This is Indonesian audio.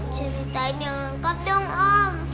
ceritain yang lengkap dong om